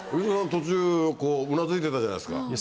途中うなずいてたじゃないですか。